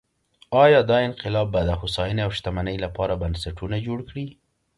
ایا انقلاب به د هوساینې او شتمنۍ لپاره بنسټونه جوړ کړي؟